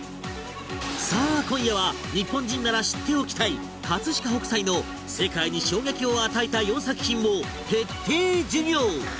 さあ今夜は日本人なら知っておきたい飾北斎の世界に衝撃を与えた４作品を徹底授業！